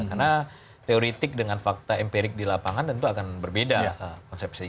karena teoretik dengan fakta empirik di lapangan tentu akan berbeda konsepsi